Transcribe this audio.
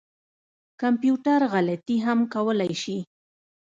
کمپیوټر غلطي هم کولای شي